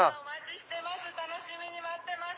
お待ちしてます